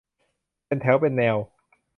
เป็นแถวเป็นแนว